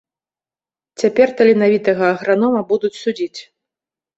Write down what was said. Цяпер таленавітага агранома будуць судзіць.